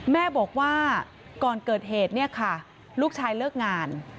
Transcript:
แม่บอกว่าก่อนเกิดเหตุเนี่ยค่ะลูกชายเลิกงาน